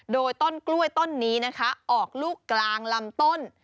โดยต้นกล้วยต้นนี้นะคะออกลูกกลางลำต้น